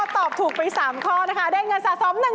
ตอบถูกไป๓ข้อนะคะได้เงินสะสม